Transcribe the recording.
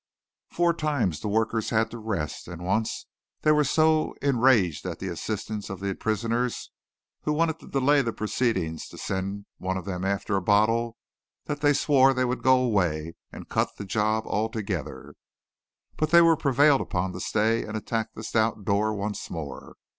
Four times the workers had to rest, and once they were so enraged at the insistence of the prisoners, who wanted to delay proceedings to send one of them after a bottle, that they swore they would go away and cut the job altogether. But they were prevailed upon to stay and attack the stout door once more.